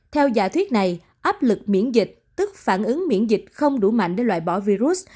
theo giả thuyết này áp lực miễn dịch tức phản ứng miễn dịch không đủ mạnh để loại bỏ virus